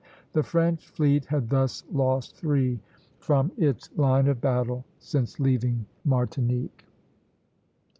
The French fleet had thus lost three from its line of battle since leaving Martinique.